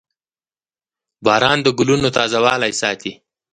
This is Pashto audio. • باران د ګلونو تازهوالی ساتي.